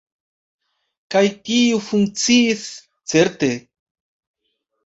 Kaj tio funkciis, certe.